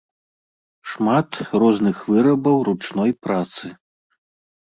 Шмат розных вырабаў ручной працы.